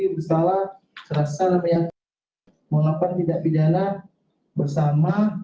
kuhp bersalah serasa dan meyakinkan mengelapkan tidak pidana bersama